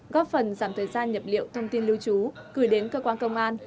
góp phần giảm thời gian nhập liệu thông tin lưu trú gửi đến cơ quan công an